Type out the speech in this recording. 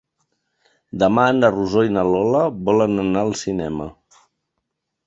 Demà na Rosó i na Lola volen anar al cinema.